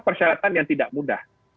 persyaratan yang tidak mudah